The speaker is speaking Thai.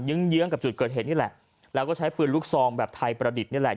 ื้อเยื้องกับจุดเกิดเหตุนี่แหละแล้วก็ใช้ปืนลูกซองแบบไทยประดิษฐ์นี่แหละ